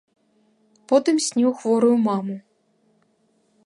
Потым сніў хворую маму.